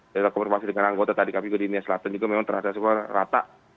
dari keberhasilan anggota tadi kami ke dunia selatan juga memang terasa semua rata